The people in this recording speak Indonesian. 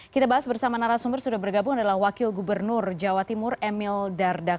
kita bahas bersama narasumber sudah bergabung adalah wakil gubernur jawa timur emil dardak